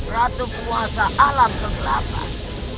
ratu puasa alam kegelapan